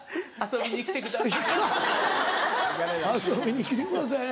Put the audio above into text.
「遊びに来てください」。